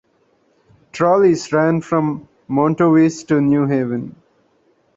Trolleys ran from Montowese to New Haven.